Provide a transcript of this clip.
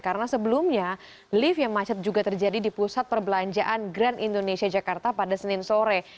karena sebelumnya lift yang macet juga terjadi di pusat perbelanjaan grand indonesia jakarta pada senin sore